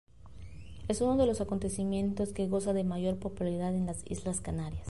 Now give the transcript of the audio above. Es uno de los acontecimientos que goza de mayor popularidad en las Islas Canarias.